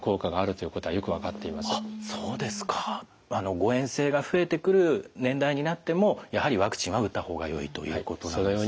誤えん性が増えてくる年代になってもやはりワクチンは打った方がよいということなんですね。